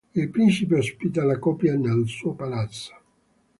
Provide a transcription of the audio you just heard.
Il principe ospita la coppia nel suo palazzo.